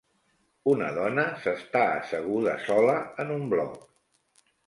Una dona s'està asseguda sola en un bloc.